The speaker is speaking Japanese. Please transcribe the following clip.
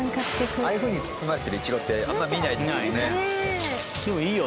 ああいうふうに包まれてるいちごってあんまり見ないですもんね。